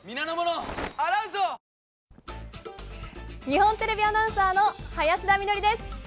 日本テレビアナウンサーの林田美学です。